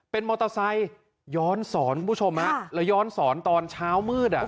เป็นมอเตอร์ไซค์ย้อนสอนคุณผู้ชมฮะแล้วย้อนสอนตอนเช้ามืดอ่ะ